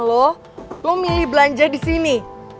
lo lo milih belanja di sini